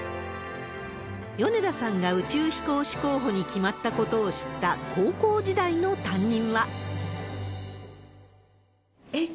米田さんが宇宙飛行士候補に決まったことを知った、高校時代えっ！